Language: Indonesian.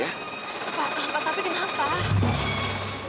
pak pak pak tapi kenapa